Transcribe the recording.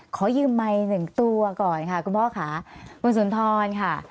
ขอยืมไมค์หนึ่งตัวก่อนค่ะคุณพ่อค่ะคุณสุนทรค่ะ